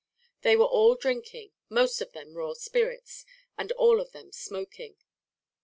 They were all drinking, most of them raw spirits and all of them smoking.